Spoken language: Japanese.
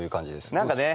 何かね